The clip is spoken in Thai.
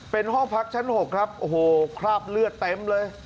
เป็นห้องพักชั้น๖ครับโอ้โหคราบเลือดเต็มเลย